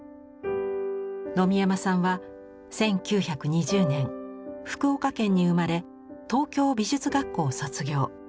野見山さんは１９２０年福岡県に生まれ東京美術学校を卒業。